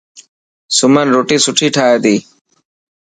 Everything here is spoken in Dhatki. سمن روٽي سٺي ٺاهي تي.